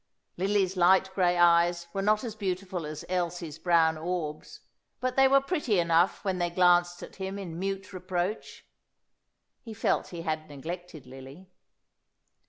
Lily's light grey eyes were not as beautiful as Elsie's brown orbs, but they were pretty enough when they glanced at him in mute reproach. He felt he had neglected Lily.